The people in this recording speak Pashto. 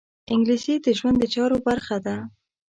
انګلیسي د ژوند د چارو برخه ده